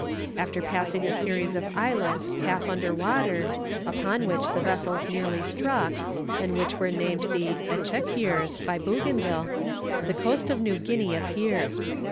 After passing a series of islets half under water, upon which the vessels nearly struck, and which were named the Echiquiers by Bougainville, the coast of New Guinea appeared.